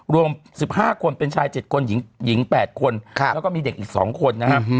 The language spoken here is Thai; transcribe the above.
รวม๑๕คนเป็นชาย๗คนหญิง๘คนแล้วก็มีเด็กอีก๒คนนะครับ